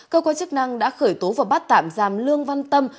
cơ quan chức năng đã khởi tố và bắt tạm giam lương văn tâm